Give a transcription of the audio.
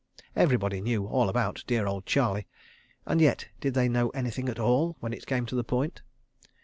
Everybody knew all about dear old Charlie—and yet, did they know anything at all when it came to the point?